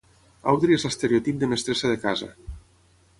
Audrey és l'estereotip de mestressa de casa.